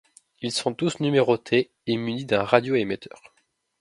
Ils sont tous numérotés et munis d'un radioémetteur.